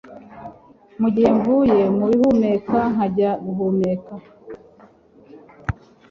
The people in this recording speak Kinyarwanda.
Mugihe mvuye mubihumeka nkajya guhumeka